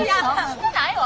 してないわ。